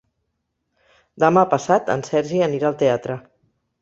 Demà passat en Sergi anirà al teatre.